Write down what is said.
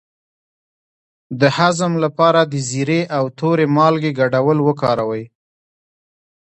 د هضم لپاره د زیرې او تورې مالګې ګډول وکاروئ